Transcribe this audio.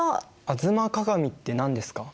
「吾妻鏡」って何ですか？